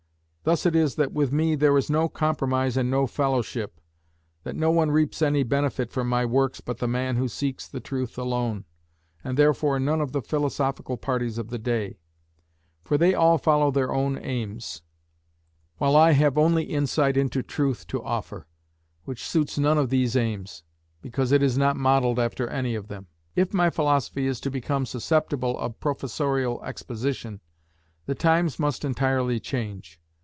Thus it is that with me there is no compromise and no fellowship, that no one reaps any benefit from my works but the man who seeks the truth alone, and therefore none of the philosophical parties of the day; for they all follow their own aims, while I have only insight into truth to offer, which suits none of these aims, because it is not modelled after any of them. If my philosophy is to become susceptible of professorial exposition, the times must entirely change.